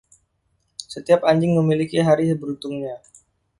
Setiap anjing memiliki hari beruntungnya.